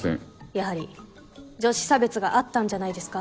やはり女子差別があったんじゃないですか？